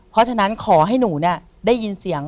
เพราะฉะนั้นขอให้หนูได้ยินเสียง